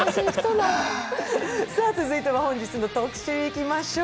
続いては本日の特集いきましょう。